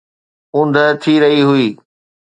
اوندهه ٿي رهي هئي.